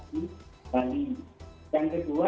di bali yang kedua